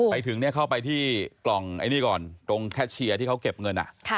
ไปถึงเข้าไปที่กล่องไอ้นี่ก่อนตรงแคชเชียร์ที่เขาเก็บเงิน